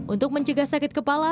untuk mencegah sakit kepala